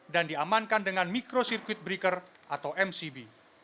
dan diamankan dengan mikrosirkuit breaker atau mcb